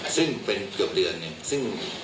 ซึ่งเป็นเกือบเดือนเนี่ย